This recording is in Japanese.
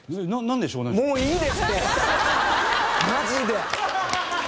マジで！